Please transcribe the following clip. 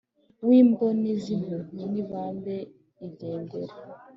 wimboni zimpuhwe nibambe igendere